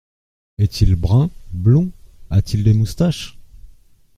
Est-il brun, blond ? a-t-il des moustaches ?